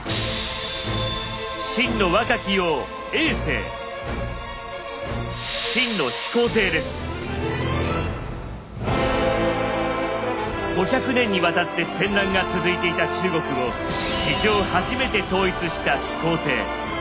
秦の若き王５００年にわたって戦乱が続いていた中国を史上初めて統一した始皇帝。